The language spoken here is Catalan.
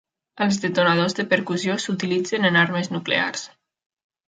Els detonadors de percussió s'utilitzen en armes nuclears.